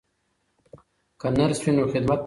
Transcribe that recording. که نرس وي نو خدمت نه کمیږي.